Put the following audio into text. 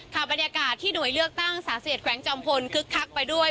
บรรยากาศที่หน่วยเลือกตั้งสาเสียดแขวงจอมพลคึกคักไปด้วย